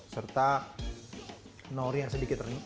serta nori yang sedikit